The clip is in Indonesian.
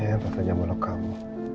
jangan malu kamu